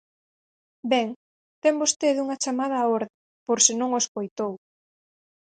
Ben, ten vostede unha chamada á orde, por se non o escoitou.